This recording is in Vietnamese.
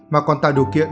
mà còn tạo điều kiện